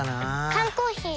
缶コーヒー